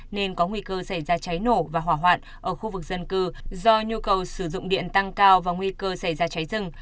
nên có nguy cơ xảy ra cháy nổ và hỏa hoạn ở khu vực dân cư do nhu cầu sử dụng điện tăng cao và nguy cơ xảy ra cháy rừng